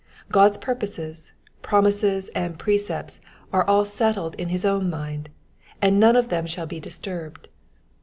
God's purposes, promises, and precepts are all settled in his own mind, and none of them shall be disturbed.